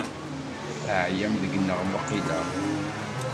Teɛyam deg-neɣ waqila?